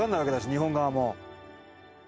日本側も。